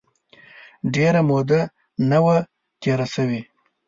ډېره موده نه وه تېره سوې.